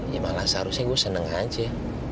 ya malah seharusnya gue seneng aja